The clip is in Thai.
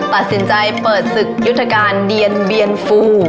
ตัดสินใจเปิดศึกยุทธการเดียนเบียนฟู